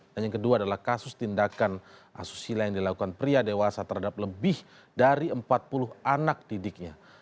yang kedua adalah kasus tindakan asusila yang dilakukan pria dewasa terhadap lebih dari empat puluh anak didiknya